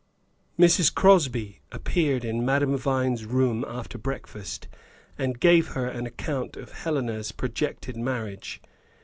Mrs. Crosby appeared in Madame Vine's room after breakfast, and gave her an account of Helena's projected marriage.